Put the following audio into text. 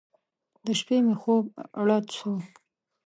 د شپې مې خوب رډ سو.